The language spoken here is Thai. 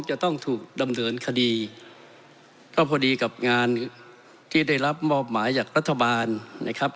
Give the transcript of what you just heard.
จะต้องถูกดำเนินคดีก็พอดีกับงานที่ได้รับมอบหมายจากรัฐบาลนะครับ